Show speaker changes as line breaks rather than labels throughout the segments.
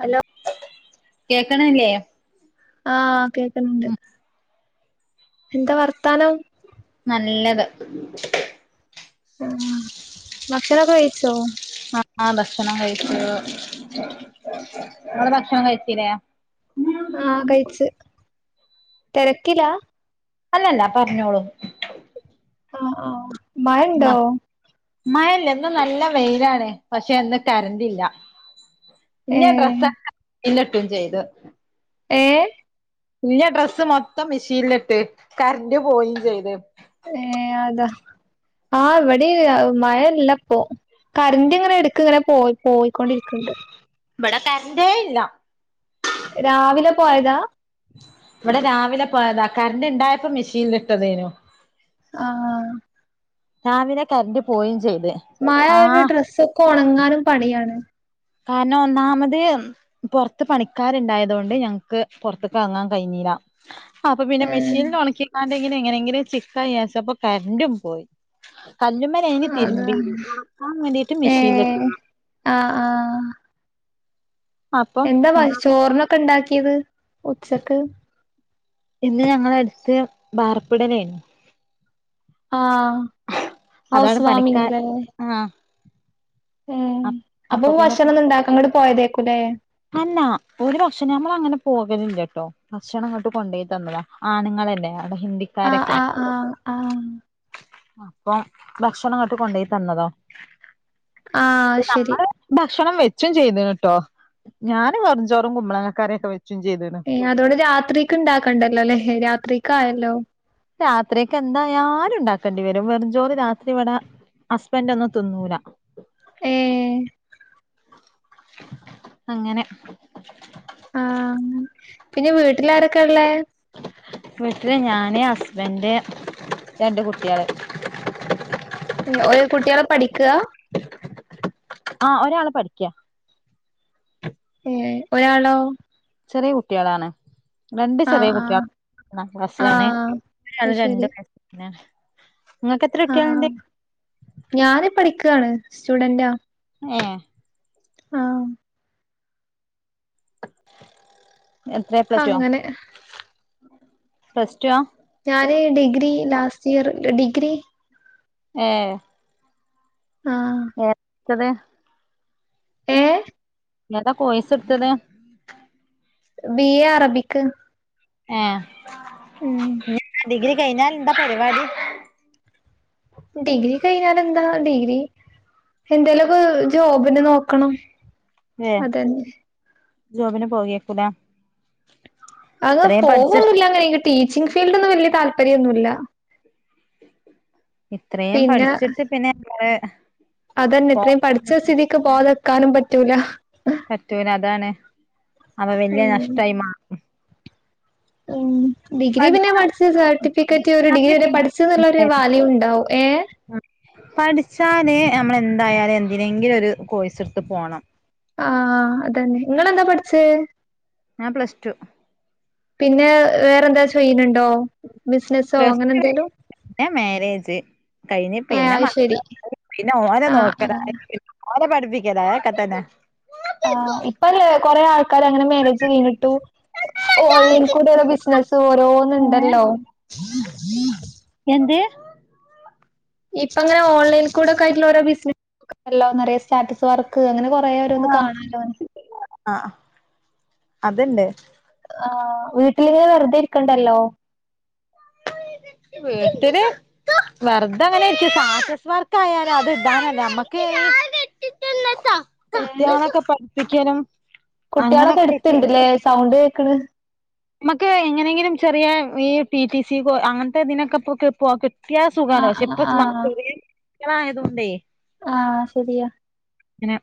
Hello
കേക്കണില്ലേ
ആഹ് കേക്കണ് ണ്ട് എന്താ വർത്താനം
നല്ലത്
ആ ഭക്ഷണമോക്കെ കഴിച്ചോ?
ആ ഭക്ഷണം കഴിച്ചു നിങ്ങൾ ഭക്ഷണം കഴിച്ചില്ലേ
ആഹ് കഴിച്ച്! തിരക്കിലാ?
അല്ലല്ല പറഞ്ഞോളൂ..
ആഹ്! ആഹ്! മഴ ഉണ്ടോ?
മഴ ഇല്ല. ഇന്നു നല്ല വെയിലാണ് പക്ഷെ ഇന്നു കറണ്ടില്ല. ഇല്ലെ
ഏഹ്
ഡ്രസ്സോക്കെ [unintelligible] ചെയ്തു
ഏഹ്
ഇല്ലെ ഡ്രസ്സ് മൊത്തം മെഷീൻലിട്ട് കര്ന്റ് പോയിം ചെയ്ത്
ഏഹ് അതാ ആഹ് ഇവിടിം മഴയില്ല അപ്പോ കര്ന്റ് ഇങ്ങനെ എടക്ക്ങ്ങനെ പോയി പോയിക്കൊണ്ടിരിക്ൻണ്ട്
ഇവിടെ കര്ന്റെ ഇല്ല
രാവിലെ പോയതാ?
ഇവിടെ രാവിലെ പോയതാ കര്ന്റ് ഇണ്ടായപ്പോ മെഷീൻല് ഇട്ടതേനു
ആഹ്!
രാവിലെ കരണ്ട് പോയിം ചെയ്ത്
മഴ ആയോണ്ട്
ആഹ്
ഡ്രസ്സൊക്കെ ഒണങ്ങാനും പണിയാണ്
കാരണം ഒന്നാമത് പോർത്ത് പണിക്കാര്ണ്ടായതു കൊണ്ട് ഞ്ഞംക്ക് പോർത്ത്ക്ക് എറങ്ങാൻ കഴിഞ്ഞീല അപ്പ പിന്നെ
ഏഹ്
മെഷീൽ ഒണക്കി അത് അതെങ്ങനെങ്കിലും ചിക്കാന്ന് വിചാരിച്ചപ്പോ കര്ന്റും പോയി കല്ലുമ്മേ ക്കി കഴിഞ്
അതാ
തിര്മ്പി ഒണക്കാൻ വേണ്ടിട്ട് മെഷീൻല്
ഏഹ്
ഇട്ട്ണ്
ആഹ് ആഹ്
അപ്പം
എന്താ വ
ഒന്ന്
ചോർനൊക്കെ ഇണ്ടാക്കിയത് ഉച്ചക്ക്?
ഇന്ന് ഞങ്ങളെ എട്ത്ത് ബാർപ്പിടലെനു
ആഹ്
അതാണ്
ഹൗസ്
പണിക്കാ
വാമിംഗ്
ആഹ്
ഉം
അ
അപ്പൊ
പിന്നെ
ഭക്ഷണം ഒന്നുണ്ടാക്ക അങ്ങോട്ട് പോയതേക്കുല്ലേ?
അല്ല ഓര് ഭക്ഷണം നമ്മള് അങ്ങനെ പോകലില്ലട്ടോ ഭക്ഷണം ഇങ്ങട്ട് കൊണ്ടോയി തന്നതാ ആണ്ങ്ങളല്ലെ അവിടെ ഹിന്ദി
ആഹ് ആഹ് ആഹ് ആഹ്
അപ്പം ഭക്ഷണം ഇങ്ങട്ട് കൊണ്ടോയി തന്നതാ
ആഹ്
പിന്നെ
ശരി
നമ്മള് ഭക്ഷണം വെച്ചും ചെയ്ത്ണ് ട്ടോ ഞാന് വെർചോറും, കുമ്മളങ്ങ കറിക്കെ വെച്ചും ചെയ്ത്ണ്
ഏഹ് അതോണ്ട് രാത്രിക്ക് ഇണ്ടാക്കണ്ടല്ലോലെ രാത്രി ക്കായല്ലോ?
രാത്രിക്ക് എന്തായാലും ഉണ്ടാക്കേണ്ടി വെരും വെർചോറ് രാത്രി ഇവടെ ഹസ്ബന്റോന്നും തിന്നൂലാ
ഏഹ്
അങ്ങനെ
ആഹ് പിന്നെ വീട്ട്ല് ആരൊക്കെ ഇള്ളേ?
വിട്ട്ല് ഞാന്, ഹസ്ബന്റ്, രണ്ട് കുട്ട്യാള്
ഒരു കുട്ട്യാള് പഠിക്കാ?
ആഹ് ഒരാള് പഠിക്കാ
ഏഹ് ഒരാളോ?
ചെറിയ കുട്ട്യാളാണ് രണ്ട് ചെറിയ
ആഹ്
കുട്ട്യാ
ആഹ്
ഒന്നാം ക്ലാസ്സിലാണ്
ആഹ് അത് ശരി
[unintelligible] പിന്നെ ങ്ങക്ക് എത്ര
ആഹ്
കുട്ട്യാള്ണ്ട്?
ഞാന് പഠിക്കാണ് സ്റ്റുഡന്റാ
ഏഹ്
ആഹ്
എത്രയാ പ്ലസ്റ്റൊ
അങ്ങനെ
പ്ലസ് റ്റുവാ
ഞാന് ഡിഗ്രി ലാസ്റ്റ് ഇയറ് ഡിഗ്രി
ഏഹ്
ആഹ്
[unintelligible] ത്തത്
ഏഹ്
ഏതാ കോയ്സ് ഇട്ത്തത്?
ബി എ അറബിക്ക് ഉം
ഏഹ് ഡിഗ്രി കഴിഞ്ഞാൽ ന്താ പരിപാടി
ഡിഗ്രി കയിഞ്ഞാലന്താ ഡിഗ്രി എന്തേലൊക്കെ ജോബിന് നോക്കണം
ഏഹ്
അതന്നെ
ജോബിന് പോവേക്കുലേ
അങ് പോവൊന്നുല്ല അങ്ങനെ എനിക്ക് ടീച്ചിങ് ഫീൽഡ് ഒന്നും വല്യ താല്പര്യൊന്നുല്ല
ഇത്രയും
പിന്നെ
പഠിച്ചിട്ട് പിന്നെ നമ്മള്
അതന്നെ
പോ
ഇത്രേം പഠിച്ച സ്ഥിതിക്ക് ക്ക് പോതക്കാനും പറ്റൂല
പറ്റൂല അതാണ് അവ വല്യ
ഉം
നഷ്ടായി മാ
ഉം ഡിഗ്രി പിന്നെ
പഠിച്ച
പട്ച്ച സർട്ടിഫിക്കറ്റ് ഒരു ഡിഗ്രി വരെ പഠിച്ച്ന്നുള്ള ഒരു വാല്യുണ്ടാവും ഏഹ്
പഠിച്ചാൽ നമ്മൾ ന്തായാലും എന്തിനെങ്കിലും ഒരു കോയ്സെട്ത്ത് പോണം
ആഹ് അതന്നെ ഇങ്ങളന്താ പട്ച്ചേ
ഞാൻ പ്ലസ് ടു
പിന്നെ വേറെന്താ ചെയ്യ്ണ്ണ്ണ്ടോ ബിസിനസ്സോ അങ്ങനെ ന്തേലും
ന്നെ മേരേജ് കഴിഞ്ഞ്
ഏഹ്
പിന്നെ
അത്
മ
ശരി
പിന്നെ ഓലെ
ആഹ് ആഹ്
നോക്കലായി ഓലെ പഠിപ്പിക്കലാ ഏക്ക തന്നെ
ആഹ് ഇപ്പല്ലേ കൊറെേ ആൾക്കാർ അങ്ങനെ മേരേജഴിഞ്ഞിട്ടും ഓൺലൈൻ കൂടെള്ള ബിസിനസ്
ഏ
ഓരോന്ന്ണ്ടല്ലോ
എന്ത്
ഇപ്പംങ്ങനെ ഓൺലൈൻ കൂടെക്കായിട്ടുള്ള ഓരോ ബിനസ്സ് ല്ലോ നെറെ സ്റ്റാറ്റസ് വർ ക്ക്ങ്ങനെ കൊറെ ഓരോന്ന് കാണല്ലോ
ആഹ് അഹ് അതല്ലെ
ആഹ് വീട്ടിലിങ്ങനെ വെറുതെ ഇരിക്കണ്ടല്ലോ
വീട്ടില് വെറതെങ്ങനെ ഇരിക്കും സാറ്റസ് വർക്കായാൽ അത് ഇടാനല്ല മ്മക്ക്
ഏ
കുട്ടിയാളക്കെ പഠിപ്പിക്കലും
കുട്ട്യാളൊക്കെ എട്ത്ണ്ട്ല്ലേ സൗണ്ട് കേക്ക്ണ്
മമക്ക് എങ്ങനെങ്കിലും ചെറിയ ഈ പി റ്റി സി പോ അങ്ങൻത്തെ ഇതിനൊക്കെ പോക്കെ പോ കിട്ട് ട്ടിയാ
ആ
സുഖാണ് പശേ ഇപ്പൊ
ആ ആ
മ ചെറിയ കുട്ടിയാളായതോണ്ട്
ആഹ് ശെരിയാ
ങ്ങനെ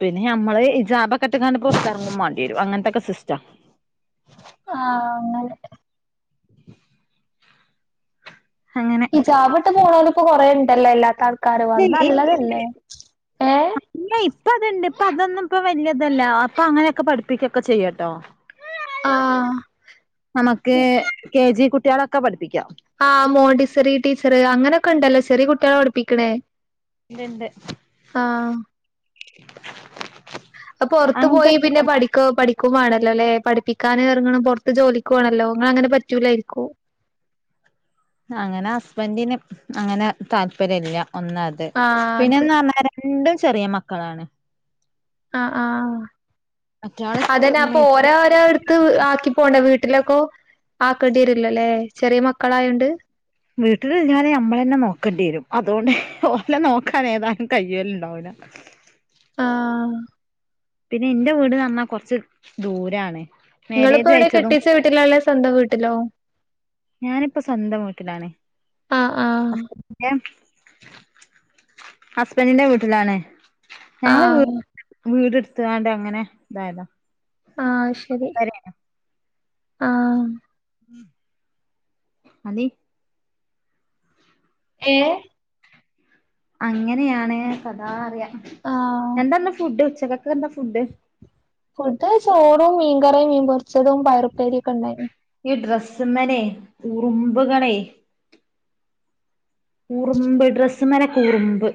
പിന്നെ നമ്മള് ഇജാബകെട്ട് കാണ്ട് പൊറത്തിറങ്ങുമാണ്ടിരും അങ്ങൻത്തെൊക്കെ സിസ്റ്റാ
ആഹ് അങ്ങെനെ
അങ്ങനെ
ഇജാബ് ട്ട് പോണോൽ ഇപ്പൊ കൊറേണ്ടല്ലോ എല്ലാത്ത
ഡെൽ
ഏ
ഇല്ല ഇപ്പത്ണ്ട് പ്പതൊന്നും ഇപ്പൊ വല്യതല്ല അപ്പൊ അങ്ങനെയൊക്കെ പഠിപ്പിക്കൊക്കെ ചെയ്യട്ടോ
ആ
മ്മക്ക് കെ ജി കുട്ട്യാളൊക്കെ പഠിപ്പിക്കാം
ആഹ് മോണ്ടിസെറി ടീച്ചറ് അങ്ങനെയൊക്കെണ്ടല്ലോ ചെറിയ കുട്ട്യേളെപഠിപ്പിക്ണെ
ഇണ്ട്
അപ്പൊ പൊർത്
അങ്ങനത്തെ
പോയി പിന്നെ പഠി ക്കോ പഠിക്കും വാണല്ലോലെ പഠിപ്പിക്കാൻ എറങ്ങണം പൊർത്ത് ജോലിക്കോണല്ലോ ഇങ്ങള ങ്ങനെ പറ്റൂലായിരിക്കും
അങ്ങനെ ഹസ്ബൻറിന് അങ്ങനെ താല്പര്യ ല്ല ഒന്നത്
ആഹ് അത്
പിന്നെന്ന ർഞ്ഞാൽ ണ്ടും ചെറിയ മക്കളാണ്
ആഹ് ആഹ്
മറ്റാള് സ്കൂൾ
അതന്നെ അപ്പൊ ഓ
നേഴ്സറി
രാരാടു ത്ത് ആക്കി പോണ്ട വീട്ടിലൊക്കോ ആക്കേണ്ടിരുല്ലല്ലേ ചെറിയ മക്കളായോണ്ട്
വീട്ടിൽ ഞാനേ അമ്മളന്നെ നോക്കേണ്ടി വരും അതോണ്ട് ഓലെ നോക്കാനേതായാലും കയ്യല് ണ്ടാവ് ല
ആഹ്
പിന്നെ ഇന്റെ വീട്ന്നർഞ്ഞാ കൊറച്ച് ദൂരാണ് മാരേജ്
ങ്ങളിപ്പോവിടെ
കഴിച്ചതും
കെട്ടിച്ച വീട്ടിലാള്ളെ സ്വന്തം വീട്ടിലോ
ഞാനിപ്പോ സ്വന്തം വീട്ടിലാണ്
ആഹ് ആഹ്
ഹസ് ഹസ്ബന്റിന്റെ വീട്ടിലാണ് ഞങ്ങള് വി
ആഹ്
വീട് എടുത്തണ്ട് അങ്ങനെ ഇതായതാ
ആഹ് ശരി
[unintelligible]
ആഹ്
അതെ
ഏഹ്
അങ്ങനെയാണ് കഥാ അറിയാം
ആഹ്
എന്താന്ന്‌ ഫുഡ് ഉച്ചക്കത്തെതെന്താ ഫുഡ്
ഫുഡ് ചോറും മീൻകറിയും മീൻ പൊരിച്ചതും പയറുപ്പേരിക്കെ ഉണ്ടായിരുന്നു
ഈ ഡ്രസ്സ്‌ മേനെ ഉറുമ്പ് കളേ ഉറുമ്പ് ഡ്രസ്സ്‌ മേലൊക്കെ ഉറുമ്പ്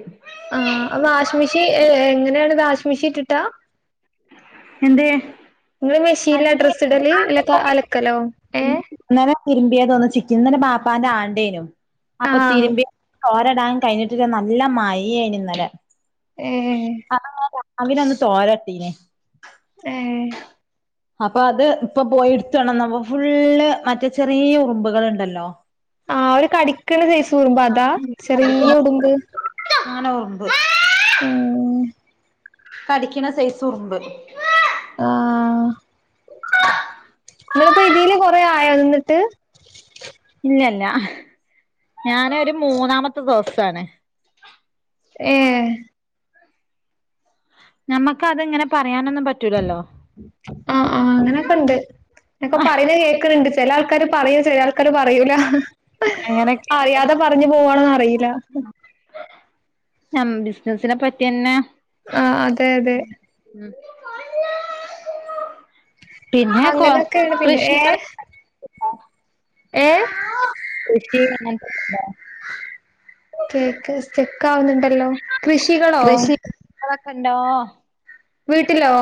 ആഹ് വാഷിം മെഷീൻ എങ്ങനെയാണ് വാഷിം മെഷീനിട്ട് ട്ടാ
എന്തേയ്
നിങ്ങള് മെഷീൻ ല്ലാ ഡ്രസ്സ് ഇടല് എല്ല അലക്കലോ ഏ
ഇന്നലെ തിരുമ്പിയാതൊന്നുച്ചക്ക് ഇന്നലെ വാപ്പാന്റെ ആണ്ടേനു അപ്പൊ
ആഹ്
തിരുമ്പിയ തൊരടാൻ കഴിഞ്ഞിട്ടില്ലാ നല്ല മഴയാനു ഇന്നലെ
ഏഹ്
[unintelligible] ഒന്ന് തോരട്ടീനെ
ഏഹ്
അപ്പൊ അത് ഇപ്പൊ പോയി എടുതോണ്ണന്നപ്പം ഫുള്ള് മറ്റേ ചെറിയ ഉറുമ്പുകളുണ്ടല്ലോ
ആഹ് ഒരു കടിക്കണ സൈസ് ഉറുമ്പാ അതാ
കടിക്കണ
ചെറിയ ഉറുമ്പ്
അങ്ങനെ ഉറുമ്പ്
ഓഹ്
കടിക്കണ സെയ്‌സ് ഉറുമ്പ്
ആഹ്
[unintelligible]
നിങ്ങളിപ്പോ ഇതില് കൊറെ ആയ നിന്നിട്ട്
ഇല്ല ഇല്ല ഞാനരു മൂന്നാമത്തെ ദിവസാണ്
ഏഹ്
നമക്ക് അത് ഇങ്ങനെ പറയാനൊന്നും പറ്റ
ആഹ് ആഹ് അങ്ങനെയൊക്കെ ഇണ്ട് എന്നക്കെ പറയണ കേക്ക്ണ്ട് ചില ആൾക്കാര് പറയൂ ചില ആൾക്കാര് പറയൂല
അങ്ങനൊക്കെ
അറിയാതെ പറഞ്ഞു പോകണ പയില്ല
ഞം ബിസിനസിനെ പറ്റിന്നെ
ആഹ് അതെ അതെ
ഉമ് പിന്നെ കൊ
അങ്ങനൊക്കെയാണ് പിന്നെ
കൃഷ്ണിക
ഏ ഏ
കൃഷി അങ്ങനത്തെ ഒക്കെ ഉണ്ടോ
കേക്ക് സ്റ്റക്കാവുന്നുണ്ടല്ലോ കൃഷികളോ
കൃഷി [unintelligible]
വീട്ടിലോ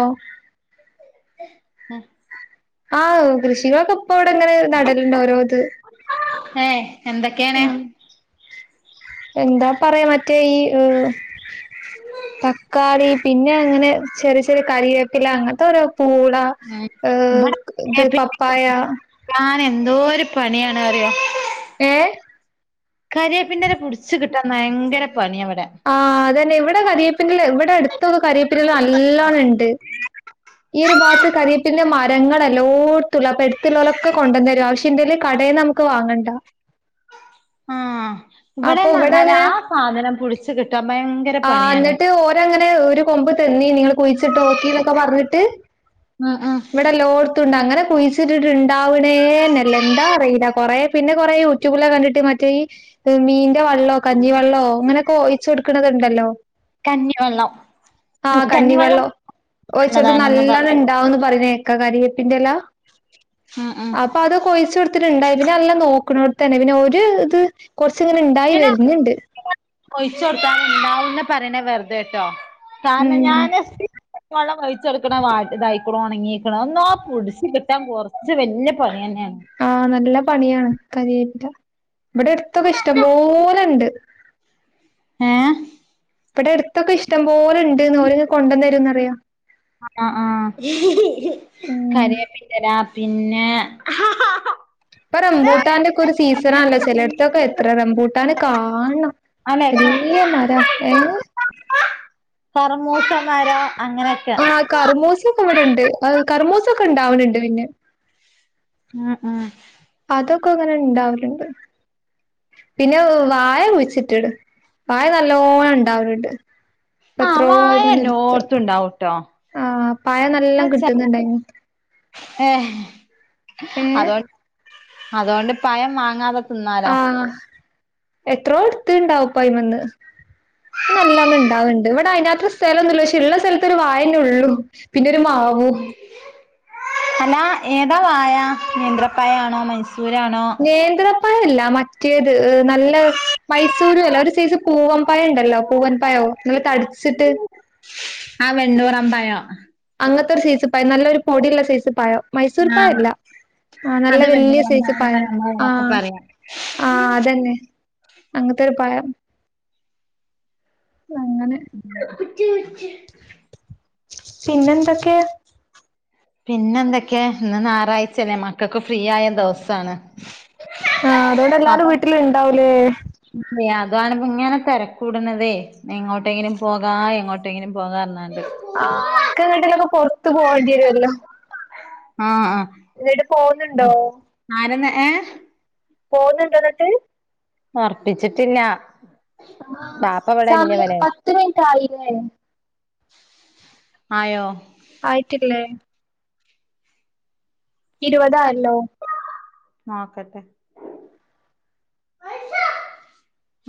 ഉമ്
ആഹ് കൃഷികളൊക്കെ ഇപ്പ ഇവിടെ ഇങ്ങനെ നടലുണ്ട് ഓരോ ഇത്
ഏഹ് എന്തൊക്കെയെണ്
ആഹ് എന്താ പറയാ മറ്റേ ഈ ഏഹ് തക്കാളി പിന്നെ അങ്ങനെ ചെറിയ ചെറിയ കറിവേപ്പില അങ്ങനത്തെ ഓരോ പൂള
ഉം
ഏഹ് ഇത് പപ്പായ
ഞാൻ എന്തോരു പണിയാണ്‌ അറിയോ
ഏഹ്
കരിയേപ്പിൻയില പിടിച്ച് കിട്ടാൻ ഭയങ്കര പണിയാവിടെ
ആഹ് അത് തന്നെ ഇവിടെ കരയേപ്പല് ഇവിടെ അടുത്തൊക്കെ കരിയേപ്പില നല്ലോണംണ്ട് ഈ ഒരു ഭാഗത്ത് കരീപ്പിന്റെ മരങ്ങളല്ലോട്ട്ല്ലാ അപ്പ അടുത്തുള്ളലൊക്കെ കൊണ്ട് തരും ആവശ്യ കരി യേപില കടയിന് നമുക്ക് വാങ്ങണ്ട
ആഹ്
അപ്പൊ ഇവിടെ
ഇവിടെന്ന്ന്നാലേ
അങ്ങനെ
ആ സാധനം പുടിച്ചു കിട്ടാൻ ഭയ
ആഹ് എന്നിട്ട് ഓരങ്ങനെ ഒരു കൊമ്പ് തന്നി നിങ്ങ കുഴിച്ചിട്ട് നോക്കി എന്നൊക്കെ പറഞ്ഞിട്ട്
ഉം ഉം
ഇവിടെ ലോ ഉണ്ട് അങ്ങനെ കുഴിച്ചിട്ടിട്ടുണ്ടാവണേ എന്നല്ല എന്താ അറിയില്ല കൊറേ പിന്നെ കുറേ യു റ്റൂ ബില് കണ്ടിട്ട് മറ്റേ ഈ മീന്റെ വെള്ളമോ കഞ്ഞി വെള്ളോ അങ്ങനെക്കെ ഒഴിച്ച് കൊടുക്കണത്ണ്ടല്ലോ
കഞ്ഞി വെള്ളം
ആഹ് കഞ്ഞി വെള്ളം ഓഴിച്ച്
നല്ലതാണെന്ന്
നല്ലണ്ണം
പറഞ്ഞ്
ഉണ്ടാവന്ന് പറഞ്ഞേ കറിവേപ്പിന്റെയില
ഉം ഉം
അപ്പൊ അതൊക്കെ ഒഴിച്ച് കൊട് ഒത്തിരി ഉണ്ടായി പിന്നെ അല്ല നോക്കണട്ത്ത് തന്നെ പിന്നെ ഒരു ഇത് കൊറച്ച് ഇങ്ങനെ ഉണ്ടായി വരുന്നുണ്ട്
ഒഴിച്ച് കൊടുത്താൻ ഉണ്ടാവന്ന് പറയണ വെറുതെ കേട്ടോ കാരണം
ഉം
ഞാന് വെള്ളം ഒഴിച്ചെടുക്കണ വാടി ഇതായിക്കണോ ഉണങ്ങിക്കണ ഒന്നാ പിടിച്ചി കിട്ടാൻ കുറച്ച് വല്യ പണി തന്നെയാണ്
ആഹ് നല്ല പണിയാണ് [unintelligible] ഇവിടെ അടുത്തൊക്കെ ഇഷ്ടംപോലെണ്ട്
ഏഹ്
ഇവിടെ അടുത്തൊക്കെ ഇഷ്ടം പോലെണ്ട് അവര് ഇങ്ങ് കൊണ്ടുവന്ന് തരുംന്നറിയാം
ആഹ് ആഹ് കറിവേപ്പ് പിന്നെ
ഇപ്പൊ റംബൂട്ടാൻന്റെക്കെ ഒരു സീസണാണല്ലോ ചിലടത്തൊക്കെ എത്ര റംബൂട്ടാൻനാ കാണണം വല്യ മരാ ഏഹ്
കറമുസാ മരം അങ്ങനൊക്കെ
ആഹ് കറ്മൂസ ഒക്കെ ഇവിടെണ്ട് കർമൂസ ഒക്കെ ഉണ്ടാവാനുണ്ട് പിന്നെ
ആഹ് ആഹ്
അതൊക്കെ അങ്ങനെ ഇണ്ടാവലുണ്ട് പിന്നെ വാഴ കുഴിച്ചിട്ട് വാഴ നല്ലോണം ഉണ്ടാവണണ്ട് ഇപ്പ
ആ
എത്രയോ ആയി
വായ
എടുത്ത്
എല്ലോടത്തും ഉണ്ടാവൂട്ടോ
ആഹ് പഴ നല്ലാം കിട്ടുന്നുണ്ടായി
എ
ഏ
അതൊണ്ട് അതൊണ്ട് പഴം പിന്നെ വാങ്ങാതെ ങ്ങാതെതിന്നാലോ
ആഹ് എത്രോ എടുത്ത ഇണ്ടാവും അതിമേന്ന് ഇവിടെ നല്ലോണ്ണം ഉണ്ടാവുന്നുണ്ട് ഇവിടെ അതിനകത്ത് സ്ഥലംന്നുല്ല പക്ഷെ ഉള്ള സ്ഥലത്ത് ഒരു വാഴന്നേള്ളു പിന്നെ ഒരു മാവും
അലാ ഏതാ വാഴ നേന്ത്രപ്പഴ ആണോ മൈസൂരാണോ
നേന്ത്രപ്പഴല്ല മറ്റേത് നല്ല മൈസൂരല്ല ഒര് സയ്സ് പൂവൻ പാഴംണ്ടല്ലോ പൂവൻ പഴം നല്ല തടിച്ചിട്ട്
ആഹ് വെണ്ണൂറാൻ പഴം
അങ്ങനത്തെ ഒരു സയിസ് പഴം നല്ലൊരു പൊടിയുള്ള സയിസ് പഴം മൈസൂർ
ആ
പഴല്ല ആഹ് നല്ല
അത്
വല്യ
വെണ്ണൂറം
സൈസ്
എന്നാണ്
പഴം
നമ്മളെ ഇവിടൊക്കെ
ആഹ്
പറയാ
ആഹ് അത് തന്നെ അങ്ങനത്തൊരു പഴം അങ്ങനെ
[unintelligible]
പിന്നന്തൊക്കെയാ
പിന്നെ എന്തൊക്കെയ ഇന്ന് ഞായറാഴ്ചല്ലേ മക്കൾക്ക് ഫ്രീ ആയ ദിവസാണ്
ആഹ് അതോണ്ട് എല്ലാരും വീട്ടില് ഇണ്ടാവല്ലേ
മിആദ്വാണങ്കി ഇങ്ങനെ തിരക്കൂടുന്നതേ ന്നെങ്ങോട്ടെങ്കിലും പോകാ എങ്ങോട്ടെങ്കിലും പോകാറഞ്ഞാണ്ട്
ആഹ് അവർക്ക്ങ്ങട്ടേലൊക്കെ പുറത്തു പോകേണ്ടിവരുവല്ലോ
ആഹ് ആഹ്
എന്നിട്ട് പോവുന്നുണ്ടോ
ആരെമ്മെ ഏഹ്
പോവുന്നുണ്ടൊന്നെട്ട്?
ഒർപ്പിച്ചിട്ടില്ലാ
ആഹ് ആഹ് സമയം പത്ത് മിനിറ്റ് ആയിലേ?
ആയോ?
ആയിട്ടില്ലെ? ഇരുവതായല്ലോ?
നോക്കട്ടെ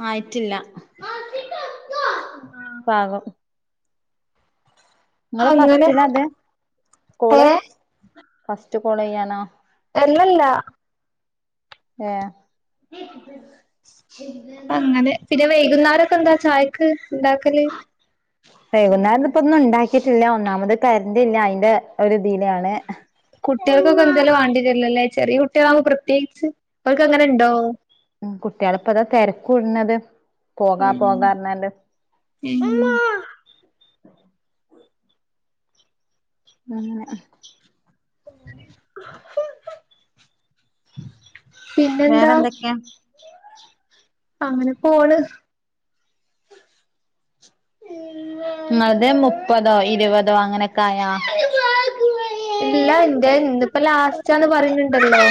ആയിട്ടില്ല പാവം ഇങ്ങള്
അങ്ങനെ
ഫസ്റ്റിലാത് കോള്
ഏഹ്
ഫസ്റ്റ് കോളെയ്യാണോ?
എല്ലല്ലാ
ഏഹ്
അങ്ങനെ പിന്നെ വൈകുന്നേരൊക്കെന്താ ചായക്ക് ഇണ്ടാക്കല്?
വൈകുന്നേരെന്ന്പ്പൊന്നും ഇണ്ടാക്കിട്ടില്ല ഒന്നാമത് കരണ്ടില്ല അയിന്റെ ഒരുതിലാണ്
കുട്ടിയൾക്കൊക്കെ എന്തേലും വാണ്ടിയെരൊല്ലലെ ചെറിയ കുട്ടികളാകുമ്പോ പ്രത്യേകിച്ച് ഓൽക്കങ്ങനെണ്ടോ?
മ് കുട്ട്യാള്പ്പെതാ തെരക്കൂട്ണത് പോകാ
ഉം
പോകാർഞ്ഞാണ്ട്
ഉം
അങ്ങനെ
പിന്നെന്താ അങ്ങനെ പോണ്
ഇങ്ങൾതെ മുപ്പതോ, ഇരുപതോ അങ്ങനൊക്കായോ?
ഇല്ല ഇന്റെ ഇന്ന്പ്പൊ ലാസ്റ്റാന്ന് പറയ്ണ് ണ്ടല്ലോ?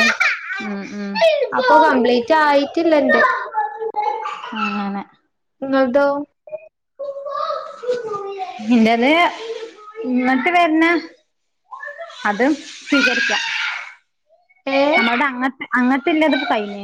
ഉം ഉം
അപ്പൊ കംപ്ലീറ്റായിട്ടില്ലെന്റെ
അങ്ങനെ
ഇങ്ങൾതോ?
ഇന്റെത് ഇങ്ങട്ട് വെര്ണെ അത് സ്വീകരിക്കാ
ഏഹ്
നമ്മൾത് അങ്ങട്ട് അങ്ങട്ടില്ലെത് കഴിഞ്ഞ്ണ്